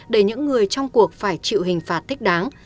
để những người trong cuộc phải chịu hình phạt thích đáng